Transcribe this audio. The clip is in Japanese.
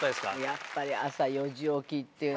やっぱり。